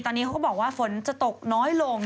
ตอนนี้เขาก็บอกว่าฝนจะตกน้อยลง